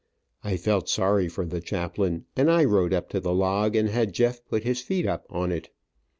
I felt sorry for the chaplain, and I rode up to the log, and had Jeff put his feet up on it.